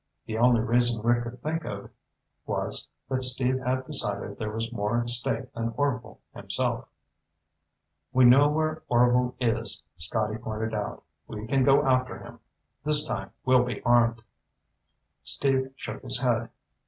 The only reason Rick could think of was that Steve had decided there was more at stake than Orvil himself. "We know where Orvil is," Scotty pointed out. "We can go after him. This time we'll be armed." Steve shook his head.